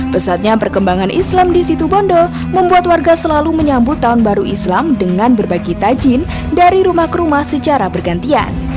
pesatnya perkembangan islam di situ bondo membuat warga selalu menyambut tahun baru islam dengan berbagi tajin dari rumah ke rumah secara bergantian